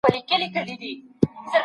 اسلام د شخصي ملکیت حق ورکړی.